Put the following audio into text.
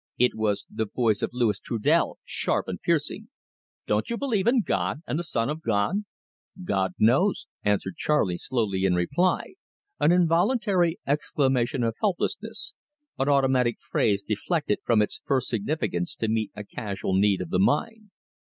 It was the voice of Louis Trudel, sharp and piercing: "Don't you believe in God and the Son of God?" "God knows!" answered Charley slowly in reply an involuntary exclamation of helplessness, an automatic phrase deflected from its first significance to meet a casual need of the mind.